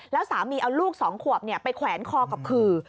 แล้วสามีเอาลูก๒ขวบไปแขวนคอกับขื่อ